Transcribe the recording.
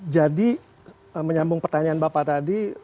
jadi menyambung pertanyaan bapak tadi